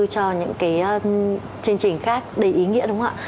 cho những cái chương trình khác đầy ý nghĩa đúng không ạ